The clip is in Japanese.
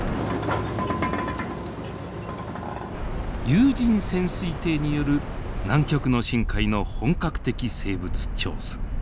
有人潜水艇による南極の深海の本格的生物調査。